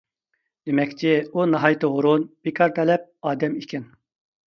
دېمەكچى، ئۇ ناھايىتى ھۇرۇن، بىكار تەلەپ ئادەم ئىكەن.